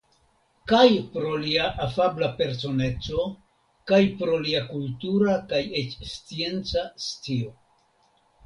Kaj pro lia afabla personeco kaj pro lia kultura kaj eĉ scienca scio.